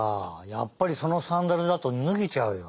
やっぱりそのサンダルだとぬげちゃうよ。